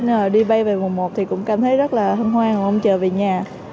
nên là đi bay về mùng một thì cũng cảm thấy rất là hân hoan không chờ về nhà